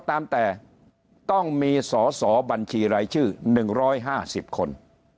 ตามแต่ต้องมีสอสอบัญชีรายชื่อ๑๕๐คน